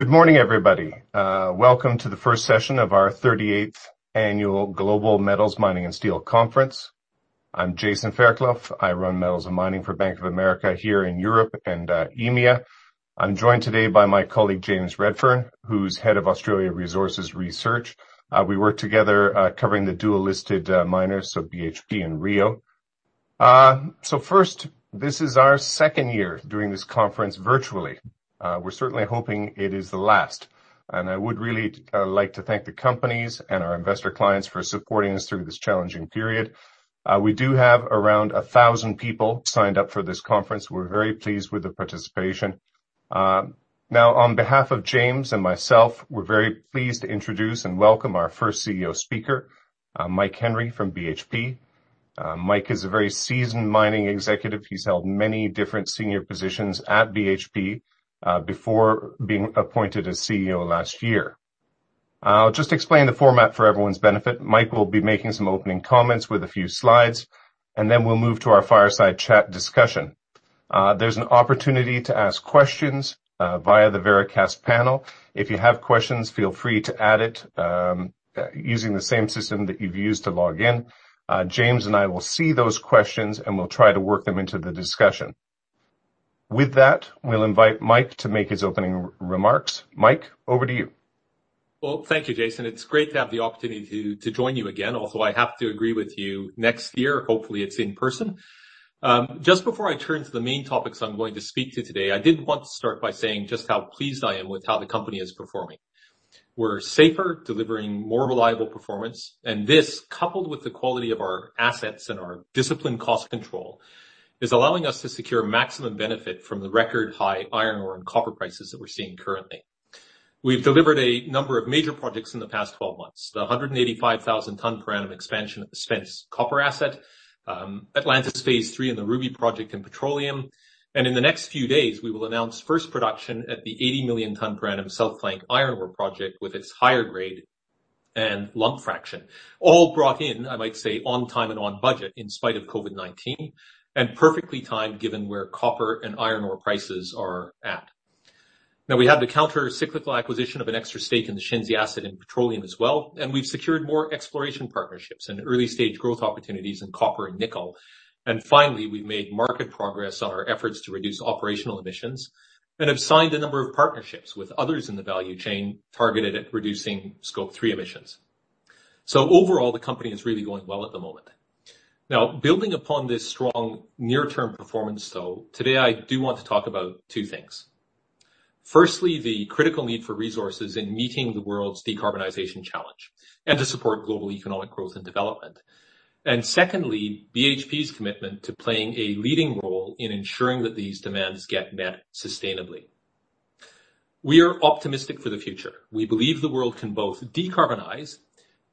Good morning, everybody. Welcome to the first session of our 38th Annual Global Metals, Mining & Steel Conference. I'm Jason Fairclough. I run Metals and Mining for Bank of America here in Europe and EMEA. I'm joined today by my colleague, James Redfern, who's head of Australia Resources Research. We work together covering the dual-listed miners, BHP and Rio. First, this is our second year doing this conference virtually. We're certainly hoping it is the last. I would really like to thank the companies and our investor clients for supporting us through this challenging period. We do have around 1,000 people signed up for this conference. We're very pleased with the participation. Now, on behalf of James and myself, we're very pleased to introduce and welcome our first CEO speaker, Mike Henry from BHP. Mike is a very seasoned mining executive. He's held many different senior positions at BHP before being appointed as CEO last year. I'll just explain the format for everyone's benefit. Mike will be making some opening comments with a few slides, and then we'll move to our fireside chat discussion. There's an opportunity to ask questions via the Veracast panel. If you have questions, feel free to add it using the same system that you've used to log in. James and I will see those questions, and we'll try to work them into the discussion. With that, we'll invite Mike to make his opening remarks. Mike, over to you. Well, thank you, Jason. It's great to have the opportunity to join you again, although I have to agree with you. Next year, hopefully, it's in person. Just before I turn to the main topics I'm going to speak to today, I did want to start by saying just how pleased I am with how the company is performing. We're safer, delivering more reliable performance, this, coupled with the quality of our assets and our disciplined cost control, is allowing us to secure maximum benefit from the record-high iron ore and copper prices that we're seeing currently. We've delivered a number of major projects in the past 12 months, the 185,000-tonne per annum expansion at the Spence copper asset, Atlantis phase III and the Ruby project in Petroleum. In the next few days, we will announce first production at the 80 million tons per annum South Flank iron ore project with its higher grade and lump fraction. All brought in, I might say, on time and on budget in spite of COVID-19 and perfectly timed given where copper and iron ore prices are at. We have the counter-cyclical acquisition of an extra stake in the Shenzi asset in petroleum as well, and we've secured more exploration partnerships and early-stage growth opportunities in copper and nickel. Finally, we made market progress on our efforts to reduce operational emissions and have signed a number of partnerships with others in the value chain targeted at reducing Scope 3 emissions. Overall, the company is really going well at the moment. Building upon this strong near-term performance, though, today, I do want to talk about two things. Firstly, the critical need for resources in meeting the world's decarbonization challenge and to support global economic growth and development. Secondly, BHP's commitment to playing a leading role in ensuring that these demands get met sustainably. We are optimistic for the future. We believe the world can both decarbonize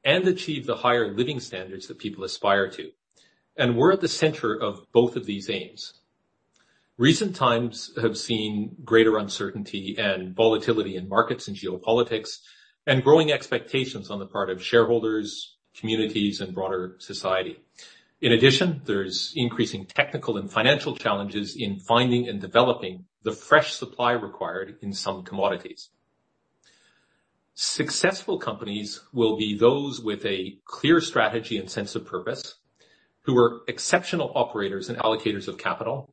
and achieve the higher living standards that people aspire to. We're at the center of both of these aims. Recent times have seen greater uncertainty and volatility in markets and geopolitics and growing expectations on the part of shareholders, communities, and broader society. In addition, there's increasing technical and financial challenges in finding and developing the fresh supply required in some commodities. Successful companies will be those with a clear strategy and sense of purpose, who are exceptional operators and allocators of capital,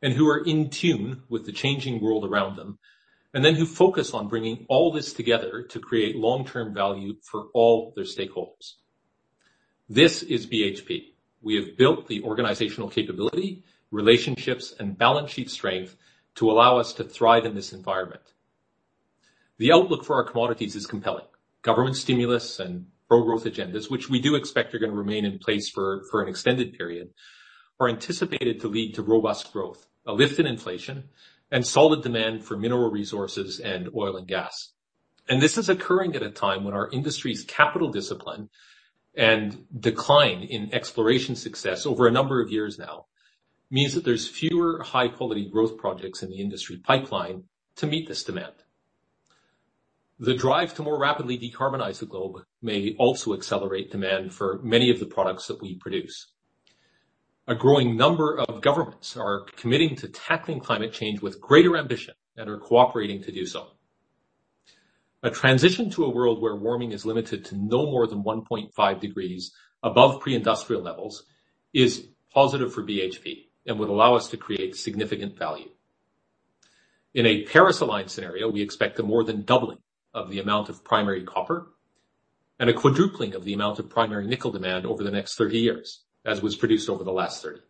and who are in tune with the changing world around them, and then who focus on bringing all this together to create long-term value for all their stakeholders. This is BHP. We have built the organizational capability, relationships, and balance sheet strength to allow us to thrive in this environment. The outlook for our commodities is compelling. Government stimulus and pro-growth agendas, which we do expect are going to remain in place for an extended period, are anticipated to lead to robust growth, a lift in inflation, and solid demand for mineral resources and oil and gas. This is occurring at a time when our industry's capital discipline and decline in exploration success over a number of years now means that there's fewer high-quality growth projects in the industry pipeline to meet this demand. The drive to more rapidly decarbonize the globe may also accelerate demand for many of the products that we produce. A growing number of governments are committing to tackling climate change with greater ambition and are cooperating to do so. A transition to a world where warming is limited to no more than 1.5 degrees above pre-industrial levels is positive for BHP and would allow us to create significant value. In a Paris-aligned scenario, we expect the more than doubling of the amount of primary copper and a quadrupling of the amount of primary nickel demand over the next 30 years, as was produced over the last 30.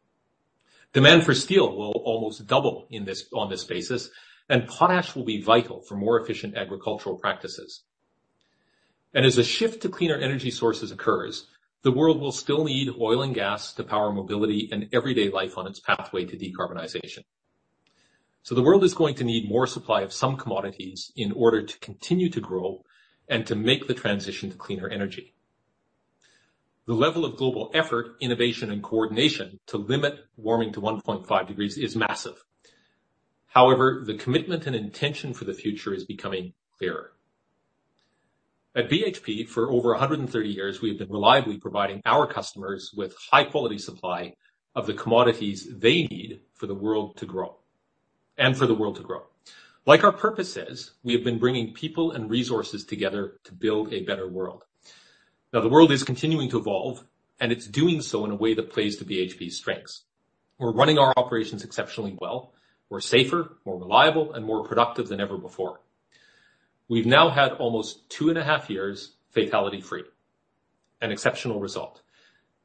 Demand for steel will almost double on this basis, and potash will be vital for more efficient agricultural practices. As a shift to cleaner energy sources occurs, the world will still need oil and gas to power mobility and everyday life on its pathway to decarbonization. The world is going to need more supply of some commodities in order to continue to grow and to make the transition to cleaner energy. The level of global effort, innovation, and coordination to limit warming to 1.5 degrees is massive. However, the commitment and intention for the future is becoming clearer. At BHP, for over 130 years, we've been reliably providing our customers with high-quality supply of the commodities they need for the world to grow. Like our purpose is, we have been bringing people and resources together to build a better world. Now, the world is continuing to evolve, and it's doing so in a way that plays to BHP's strengths. We're running our operations exceptionally well. We're safer, more reliable, and more productive than ever before. We've now had almost 2.5 years fatality-free, an exceptional result.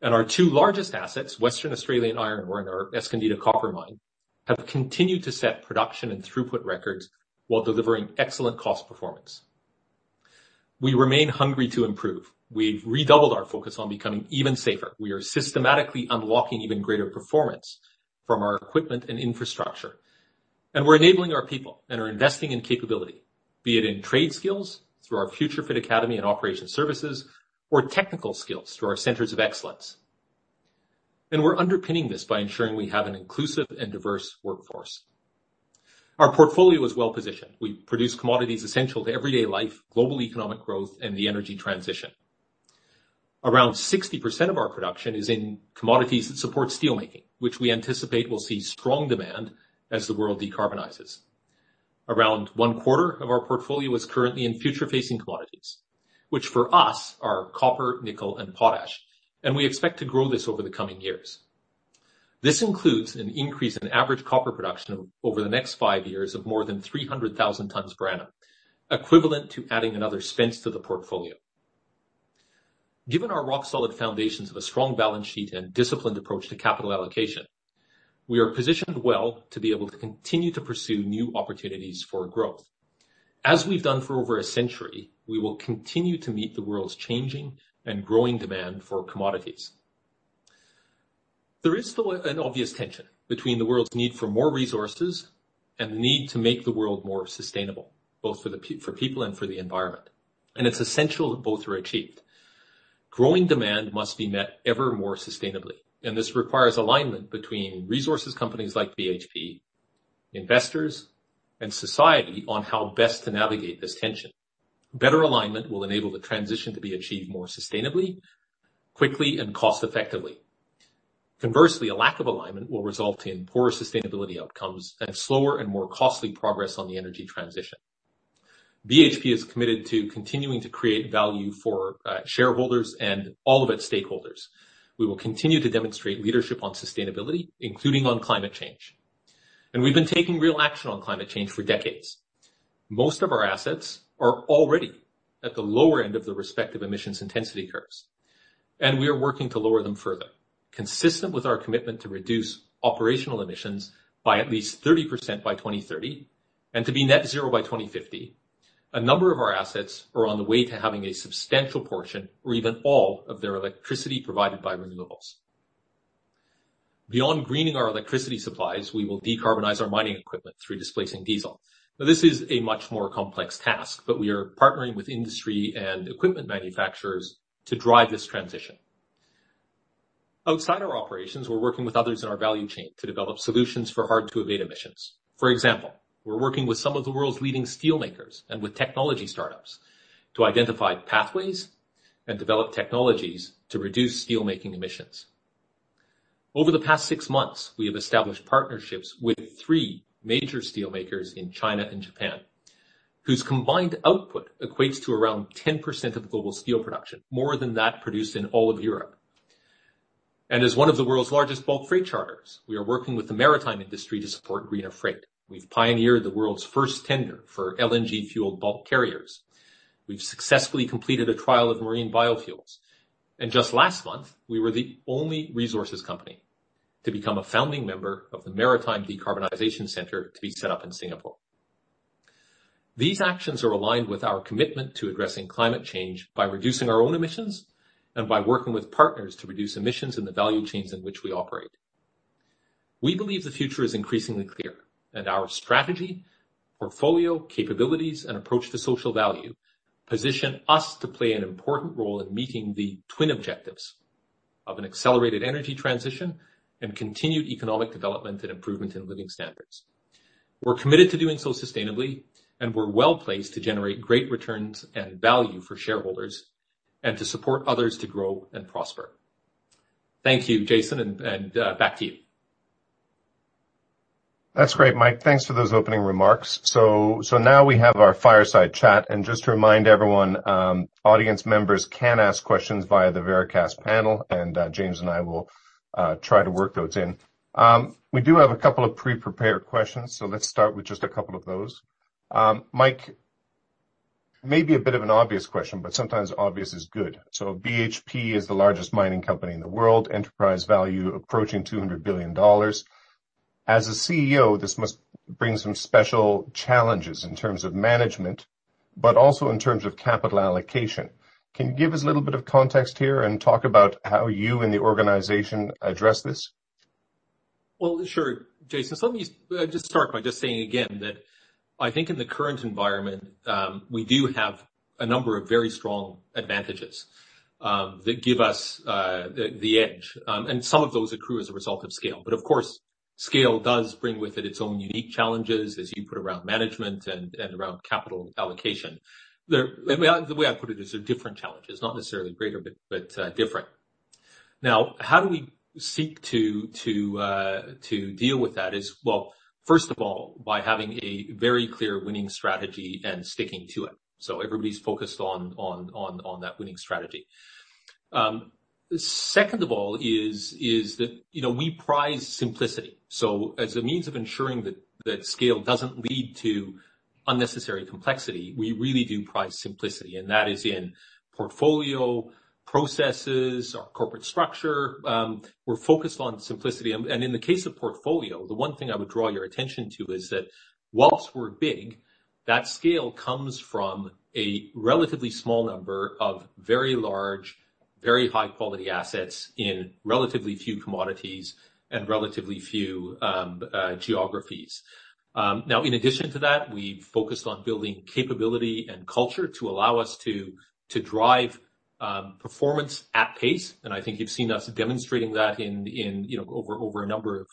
Our two largest assets, Western Australia Iron Ore and our Escondida copper mine, have continued to set production and throughput records while delivering excellent cost performance. We remain hungry to improve. We've redoubled our focus on becoming even safer. We are systematically unlocking even greater performance from our equipment and infrastructure. We're enabling our people and are investing in capability, be it in trade skills through our FutureFit Academy and Operations Services, or technical skills through our centers of excellence. We're underpinning this by ensuring we have an inclusive and diverse workforce. Our portfolio is well-positioned. We produce commodities essential to everyday life, global economic growth, and the energy transition. Around 60% of our production is in commodities that support steel making, which we anticipate will see strong demand as the world decarbonizes. Around one-quarter of our portfolio is currently in future-facing commodities, which for us are copper, nickel, and potash, and we expect to grow this over the coming years. This includes an increase in average copper production over the next five years of more than 300,000 tons per annum, equivalent to adding another Spence to the portfolio. Given our rock-solid foundations of a strong balance sheet and disciplined approach to capital allocation, we are positioned well to be able to continue to pursue new opportunities for growth. As we've done for over a century, we will continue to meet the world's changing and growing demand for commodities. There is still an obvious tension between the world's need for more resources and the need to make the world more sustainable, both for people and for the environment. It's essential that both are achieved. Growing demand must be met ever more sustainably. This requires alignment between resources companies like BHP, investors, and society on how best to navigate this tension. Better alignment will enable the transition to be achieved more sustainably, quickly, and cost-effectively. Conversely, a lack of alignment will result in poor sustainability outcomes and slower and more costly progress on the energy transition. BHP is committed to continuing to create value for shareholders and all of its stakeholders. We will continue to demonstrate leadership on sustainability, including on climate change. We've been taking real action on climate change for decades. Most of our assets are already at the lower end of the respective emissions intensity curves, and we are working to lower them further. Consistent with our commitment to reduce operational emissions by at least 30% by 2030 and to be net zero by 2050, a number of our assets are on the way to having a substantial portion or even all of their electricity provided by renewables. Beyond greening our electricity supplies, we will decarbonize our mining equipment through displacing diesel. Now, this is a much more complex task, but we are partnering with industry and equipment manufacturers to drive this transition. Outside our operations, we're working with others in our value chain to develop solutions for hard-to-abate emissions. For example, we're working with some of the world's leading steel makers and with technology startups to identify pathways and develop technologies to reduce steelmaking emissions. Over the past six months, we have established partnerships with three major steel makers in China and Japan, whose combined output equates to around 10% of global steel production, more than that produced in all of Europe. As one of the world's largest bulk freight charters, we are working with the maritime industry to support green freight. We've pioneered the world's first tender for LNG-fueled bulk carriers. We've successfully completed a trial of marine biofuels. Just last month, we were the only resources company to become a founding member of the Maritime Decarbonization Center to be set up in Singapore. These actions are aligned with our commitment to addressing climate change by reducing our own emissions and by working with partners to reduce emissions in the value chains in which we operate. We believe the future is increasingly clear, and our strategy, portfolio, capabilities, and approach to social value position us to play an important role in meeting the twin objectives of an accelerated energy transition and continued economic development and improvement in living standards. We're committed to doing so sustainably, and we're well-placed to generate great returns and value for shareholders and to support others to grow and prosper. Thank you, Jason, and back to you. That's great, Mike. Thanks for those opening remarks. Now we have our fireside chat. Just to remind everyone, audience members can ask questions via the Veracast panel, and James and I will try to work those in. We do have a couple of pre-prepared questions. Let's start with just a couple of those. Mike, maybe a bit of an obvious question, but sometimes obvious is good. BHP is the largest mining company in the world, enterprise value approaching $200 billion. As a CEO, this must bring some special challenges in terms of management, but also in terms of capital allocation. Can you give us a little bit of context here and talk about how you and the organization address this? Well, sure, Jason. Let me just start by just saying again that I think in the current environment, we do have a number of very strong advantages that give us the edge. Some of those accrue as a result of scale. Scale does bring with it its own unique challenges, as you put it, around management and around capital allocation. The way I put it is they're different challenges. Not necessarily greater, but different. How do we seek to deal with that is, well, first of all, by having a very clear winning strategy and sticking to it. Everybody's focused on that winning strategy. Second of all is that we prize simplicity. As a means of ensuring that scale doesn't lead to unnecessary complexity, we really do prize simplicity, and that is in portfolio, processes, our corporate structure. We're focused on simplicity. In the case of portfolio, the one thing I would draw your attention to is that whilst we're big, that scale comes from a relatively small number of very large, very high-quality assets in relatively few commodities and relatively few geographies. In addition to that, we focus on building capability and culture to allow us to drive performance at pace. I think you've seen us demonstrating that over a number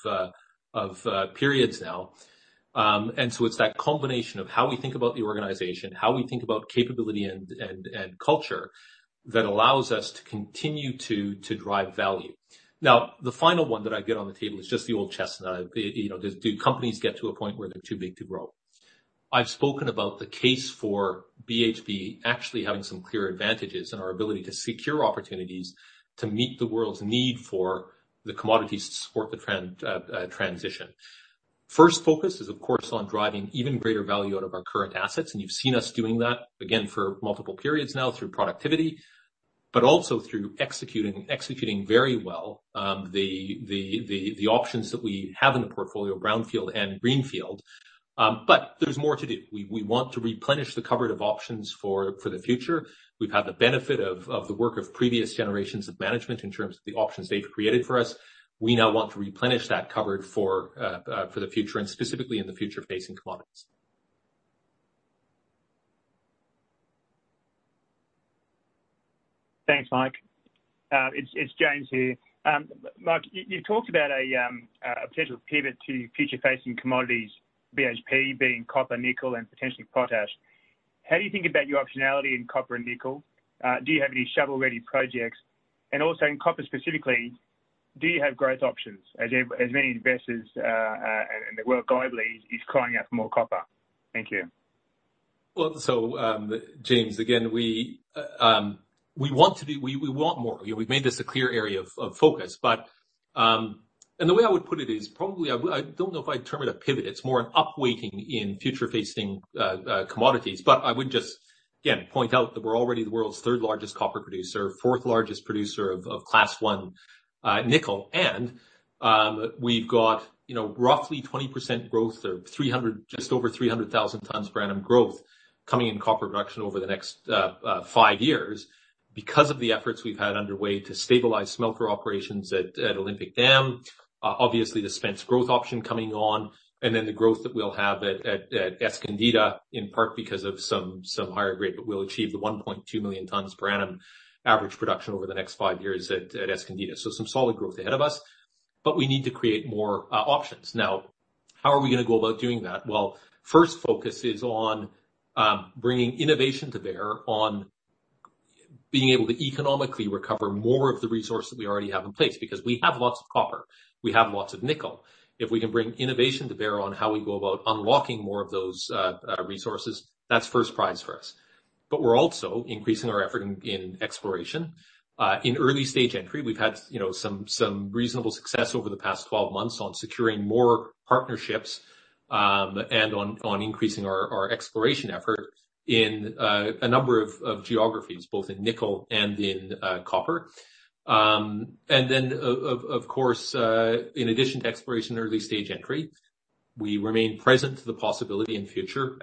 of periods now. It's that combination of how we think about the organization, how we think about capability and culture that allows us to continue to drive value. The final one that I get on the table is just the old chestnut. Do companies get to a point where they're too big to grow? I've spoken about the case for BHP actually having some clear advantages and our ability to secure opportunities to meet the world's need for the commodities to support the transition. First focus is, of course, on driving even greater value out of our current assets, and you've seen us doing that, again, for multiple periods now through productivity, but also through executing very well the options that we have in the portfolio, brownfield and greenfield. There's more to do. We want to replenish the coverage of options for the future. We've had the benefit of the work of previous generations of management in terms of the options they've created for us. We now want to replenish that coverage for the future and specifically in the future-facing commodities. Thanks, Mike. It's James here. Mike, you talked about a potential pivot to future-facing commodities, BHP being copper, nickel, and potentially potash. How do you think about your optionality in copper and nickel? Do you have any shovel-ready projects? Also in copper specifically, do you have growth options, as many investors, and the world globally, is crying out for more copper? Thank you. James, again, we want more. We've made this a clear area of focus. The way I would put it is probably, I don't know if I'd term it a pivot. It's more an up-weighting in future-facing commodities. I would just, again, point out that we're already the world's third-largest copper producer, fourth-largest producer of Class 1 nickel. We've got roughly 20% growth or just over 300,000 tons per annum growth coming in copper production over the next five years because of the efforts we've had underway to stabilize smelter operations at Olympic Dam. Obviously, the Spence growth option coming on, and then the growth that we'll have at Escondida, in part because of some higher grade that we'll achieve, the 1.2 million tons per annum average production over the next five years at Escondida. Some solid growth ahead of us. We need to create more options. How are we going to go about doing that? First focus is on bringing innovation to bear on being able to economically recover more of the resource that we already have in place. We have lots of copper. We have lots of nickel. If we can bring innovation to bear on how we go about unlocking more of those resources, that's first prize for us. We're also increasing our effort in exploration. In early-stage entry, we've had some reasonable success over the past 12 months on securing more partnerships, and on increasing our exploration effort in a number of geographies, both in nickel and in copper. Of course, in addition to exploration early-stage entry, we remain present to the possibility in future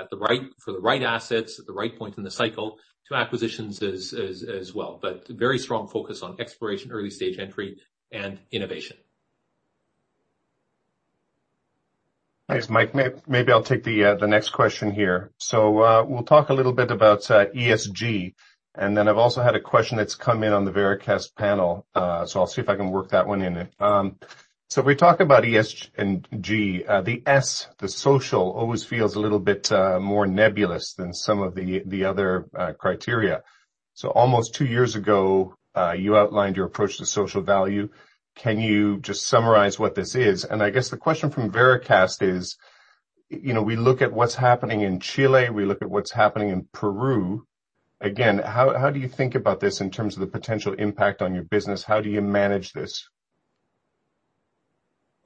for the right assets at the right point in the cycle to acquisitions as well. Very strong focus on exploration, early-stage entry, and innovation. Thanks, Mike. Maybe I'll take the next question here. We'll talk a little bit about ESG, and then I've also had a question that's come in on the Veracast panel, so I'll see if I can work that one in. We talk about ESG. The S, the social, always feels a little bit more nebulous than some of the other criteria. Almost two years ago, you outlined your approach to social value. Can you just summarize what this is? I guess the question from Veracast is, we look at what's happening in Chile, we look at what's happening in Peru. Again, how do you think about this in terms of the potential impact on your business? How do you manage this?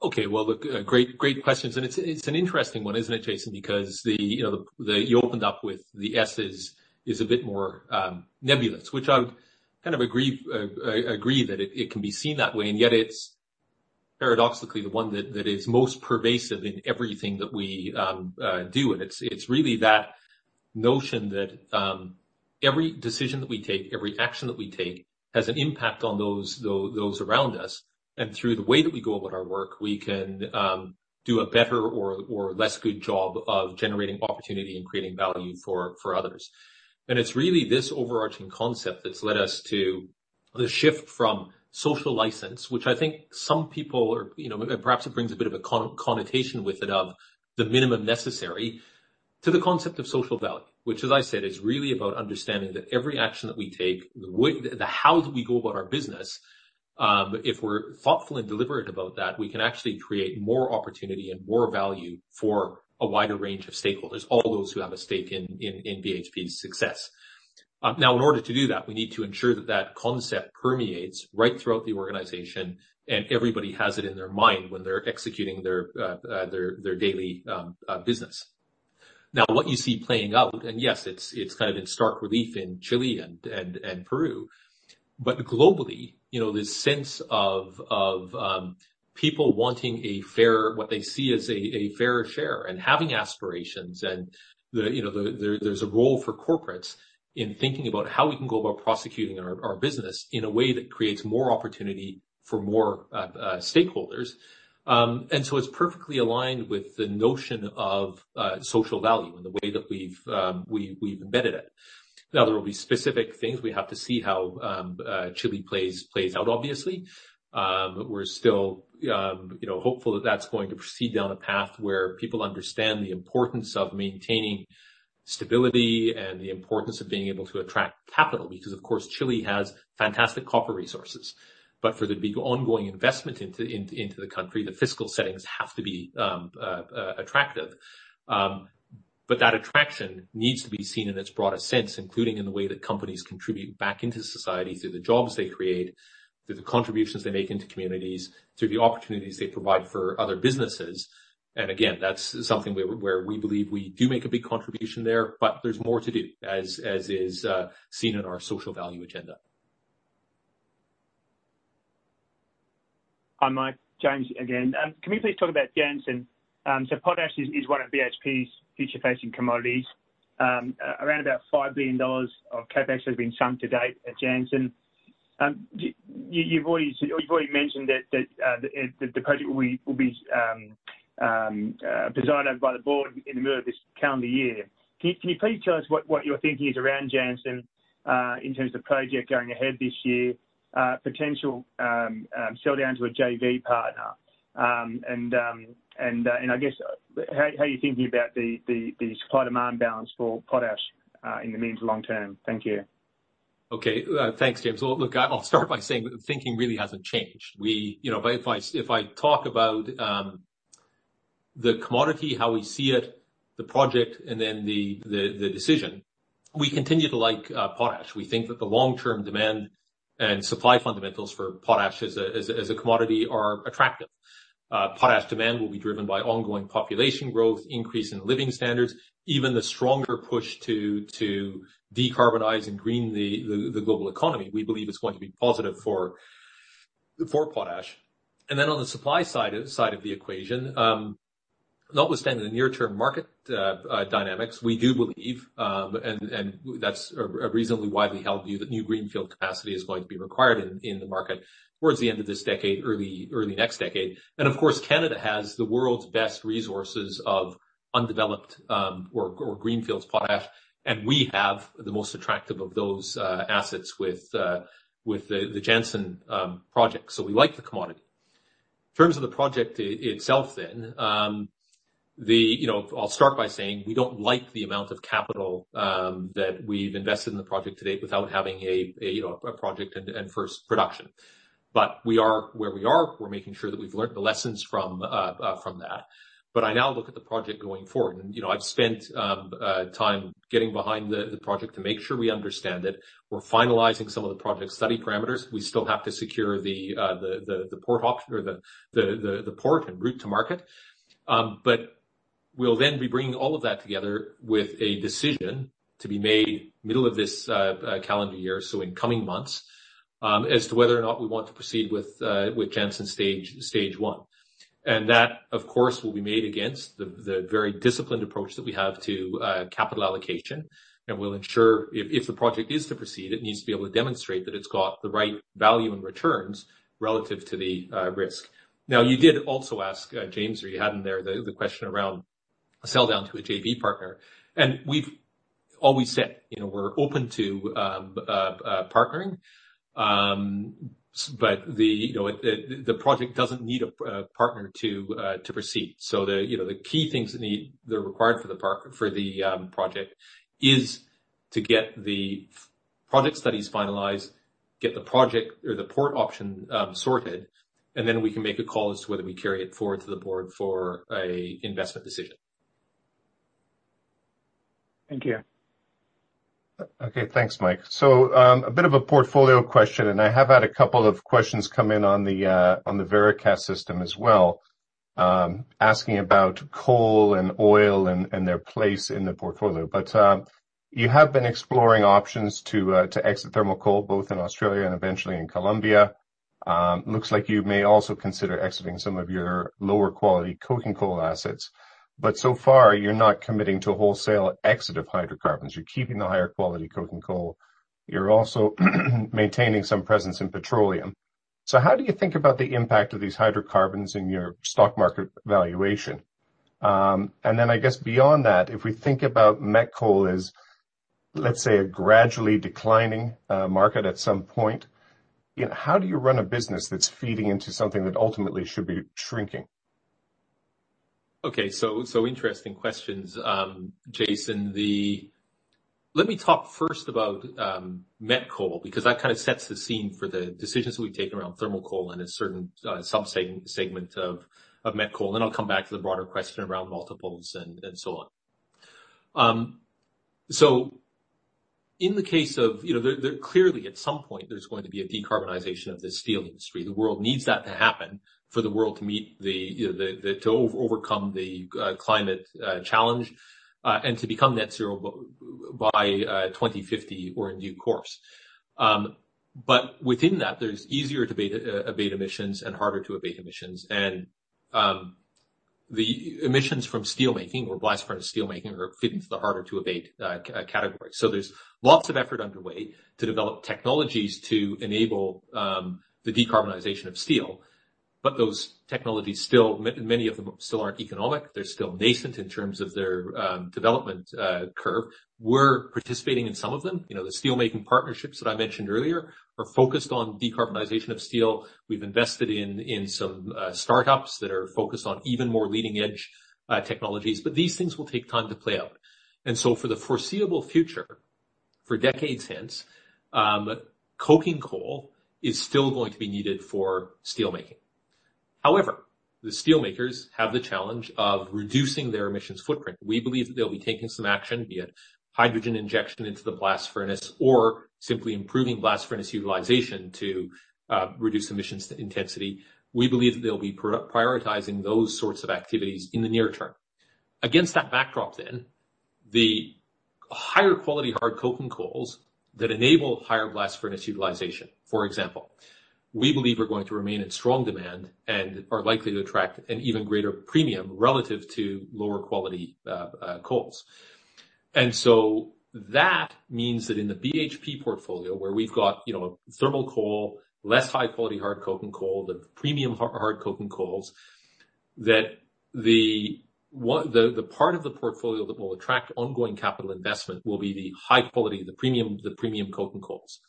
Okay. Well, look, great questions. It's an interesting one, isn't it, Jason? Because you opened up with the S is a bit more nebulous, which I kind of agree that it can be seen that way, and yet it's paradoxically the one that is most pervasive in everything that we do. It's really that notion that every decision that we take, every action that we take, has an impact on those around us. Through the way that we go about our work, we can do a better or less good job of generating opportunity and creating value for others. It's really this overarching concept that's led us to the shift from social license, which I think some people, perhaps it brings a bit of a connotation with it of the minimum necessary, to the concept of social value, which as I said, is really about understanding that every action that we take, the how that we go about our business, if we're thoughtful and deliberate about that, we can actually create more opportunity and more value for a wider range of stakeholders, all those who have a stake in BHP's success. In order to do that, we need to ensure that that concept permeates right throughout the organization, and everybody has it in their mind when they're executing their daily business. What you see playing out, yes, it's kind of in stark relief in Chile and Peru. Globally, this sense of people wanting what they see as a fair share and having aspirations, and there's a role for corporates in thinking about how we can go about prosecuting our business in a way that creates more opportunity for more stakeholders. So it's perfectly aligned with the notion of social value and the way that we've embedded it. There will be specific things. We have to see how Chile plays out, obviously. We're still hopeful that that's going to proceed down a path where people understand the importance of maintaining stability and the importance of being able to attract capital, because, of course, Chile has fantastic copper resources. For there to be ongoing investment into the country, the fiscal settings have to be attractive. That attraction needs to be seen in its broadest sense, including in the way that companies contribute back into society through the jobs they create, through the contributions they make into communities, through the opportunities they provide for other businesses. Again, that's something where we believe we do make a big contribution there, but there's more to do, as is seen in our Social Value agenda. Hi, Mike. James again. Can you please talk about Jansen? Potash is one of BHP's future-facing commodities. Around about $5 billion of CapEx has been chunked to date at Jansen. You've already mentioned that the project will be decided by the board in the middle of this calendar year. Can you please tell us what your thinking is around Jansen in terms of project going ahead this year, potential sell-downs with a JV partner, and I guess, how you're thinking about the supply-demand balance for potash in the medium to long term? Thank you. Okay, thanks, James. Look, I'll start by saying that the thinking really hasn't changed. If I talk about the commodity, how we see it, the project, and then the decision. We continue to like Potash. We think that the long-term demand and supply fundamentals for Potash as a commodity are attractive. Potash demand will be driven by ongoing population growth, increase in living standards, even the stronger push to decarbonize and green the global economy, we believe is going to be positive for potash. On the supply side of the equation, notwithstanding the near-term market dynamics, we do believe, and that's a reason we widely held the new greenfield capacity is going to be required in the market towards the end of this decade, early next decade. Of course, Canada has the world's best resources of undeveloped or greenfield potash, and we have the most attractive of those assets with the Jansen project. We like the commodity. In terms of the project itself, I'll start by saying we don't like the amount of capital that we've invested in the project to date without having a project and first production. We are where we are. We're making sure that we've learned the lessons from that. I now look at the project going forward, and I've spent time getting behind the project to make sure we understand it. We're finalizing some of the project study parameters. We still have to secure the port option or the port and route to market. We'll then be bringing all of that together with a decision to be made middle of this calendar year, so in coming months, as to whether or not we want to proceed with Jansen Stage 1. That, of course, will be made against the very disciplined approach that we have to capital allocation. We'll ensure if the project is to proceed, it needs to be able to demonstrate that it's got the right value and returns relative to the risk. You did also ask, James, you had in there the question around a sell-down to a JV partner. The project doesn't need a partner to proceed. The key things that are required for the project is to get the project studies finalized, get the project or the port option sorted, and then we can make a call as to whether we carry it forward to the board for an investment decision. Thank you. Okay. Thanks, Mike. A bit of a portfolio question, and I have had a couple of questions come in on the Veracast system as well, asking about coal and oil and their place in the portfolio. You have been exploring options to exit thermal coal, both in Australia and eventually in Colombia. Looks like you may also consider exiting some of your lower-quality coking coal assets, but so far, you're not committing to a wholesale exit of hydrocarbons. You're keeping the higher-quality coking coal. You're also maintaining some presence in petroleum. How do you think about the impact of these hydrocarbons in your stock market valuation? Then I guess beyond that, if we think about met coal as, let's say, a gradually declining market at some point, how do you run a business that's feeding into something that ultimately should be shrinking? Okay. Interesting questions, Jason. Let me talk first about met coal, because that kind of sets the scene for the decisions we take around thermal coal and a certain subsegment of met coal, then I'll come back to the broader question around multiples and so on. Clearly at some point there's going to be a decarbonization of the steel industry. The world needs that to happen for the world to overcome the climate challenge, and to become net zero by 2050, we're in due course. Within that, there's easier to abate emissions and harder to abate emissions. The emissions from steel making or blast furnace steel making fits into the harder to abate category. There's lots of effort underway to develop technologies to enable the decarbonization of steel. Those technologies, many of them still aren't economic. They're still nascent in terms of their development curve. We're participating in some of them. The steelmaking partnerships that I mentioned earlier are focused on decarbonization of steel. We've invested in some startups that are focused on even more leading-edge technologies, but these things will take time to play out. For the foreseeable future, for decades hence, coking coal is still going to be needed for steelmaking. However, the steel makers have the challenge of reducing their emissions footprint. We believe that they'll be taking some action, be it hydrogen injection into the blast furnace or simply improving blast furnace utilization to reduce emissions intensity. We believe they'll be prioritizing those sorts of activities in the near term. Against that backdrop then, the higher quality hard coking coals that enable higher blast furnace utilization, for example, we believe are going to remain in strong demand and are likely to attract an even greater premium relative to lower quality coals. That means that in the BHP portfolio where we've got thermal coal, less high-quality hard coking coal, the premium hard coking coals, the part of the portfolio that will attract ongoing capital investment will be the high quality, the premium coking coals.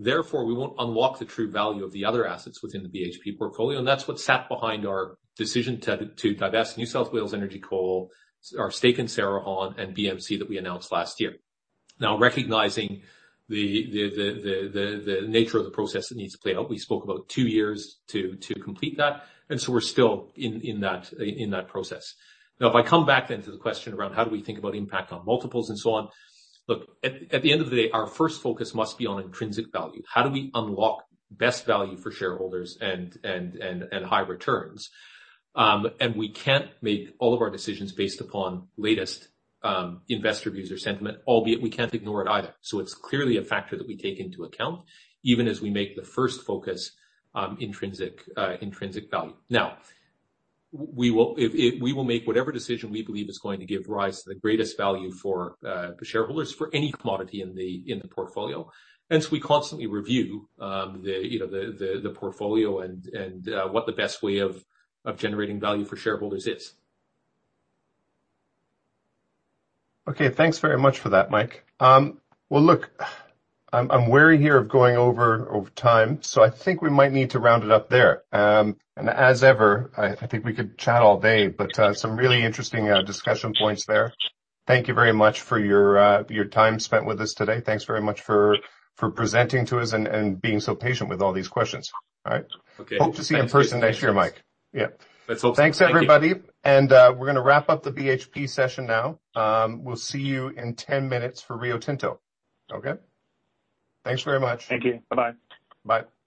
We won't unlock the true value of the other assets within the BHP portfolio, and that's what sat behind our decision to divest New South Wales Energy Coal, our stake in Cerrejón and BMC that we announced last year. Recognizing the nature of the process that needs to play out. We spoke about two years to complete that. We're still in that process. If I come back then to the question around how do we think about impact on multiples and so on. Look, at the end of the day, our first focus must be on intrinsic value. How do we unlock best value for shareholders and high returns? We can't make all of our decisions based upon latest investor views or sentiment, albeit we can't ignore it either. It's clearly a factor that we take into account even as we make the first focus, intrinsic value. We will make whatever decision we believe is going to give rise to the greatest value for shareholders for any commodity in the portfolio. Hence we constantly review the portfolio and what the best way of generating value for shareholders is. Okay. Thanks very much for that, Mike. Look, I'm wary here of going over time. I think we might need to round it up there. As ever, I think we could chat all day, but some really interesting discussion points there. Thank you very much for your time spent with us today. Thanks very much for presenting to us and being so patient with all these questions. All right. Okay. Hope to see you in person next year, Mike. Yeah. That's all. Thank you. Thanks, everybody. We're going to wrap up the BHP session now. We'll see you in 10 minutes for Rio Tinto. Okay? Thanks very much. Thank you. Bye-bye. Bye.